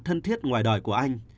thân thiết ngoài đời của anh